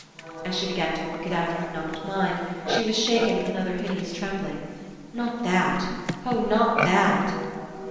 As she began to work it out in her numbed mind, she was shaken with another hideous trembling. Not that! Oh, not that!